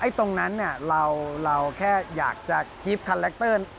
ตรงนั้นเราแค่อยากจะคลิปคาแรคเตอร์